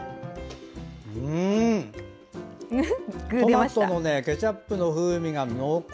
トマトのケチャップの風味が濃厚！